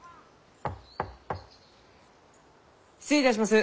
失礼いたします。